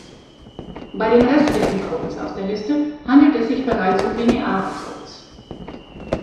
Bei den restlichen Codes aus der Liste handelt es sich bereits um lineare Codes.